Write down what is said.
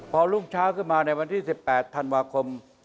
พอรุ่งเช้าขึ้นมาในวันที่๑๘ธันวาคม